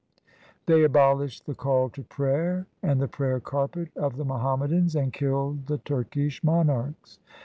They abolished the call to prayer and the prayer carpet of the Muhammadans and killed the Turkish monarchs.